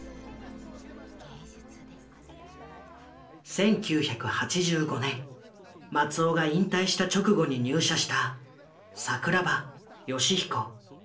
１９８５年松尾が引退した直後に入社した桜庭吉彦。